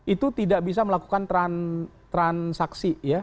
itu tidak bisa melakukan transaksi ya